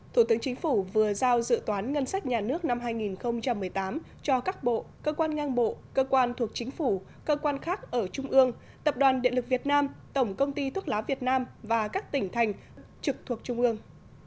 thủ tướng chính phủ vừa giao dự toán ngân sách nhà nước năm hai nghìn một mươi tám cho các bộ cơ quan ngang bộ cơ quan thuộc chính phủ cơ quan khác ở trung ương tập đoàn điện lực việt nam tổng công ty thuốc lá việt nam và các tỉnh thành trực thuộc trung ương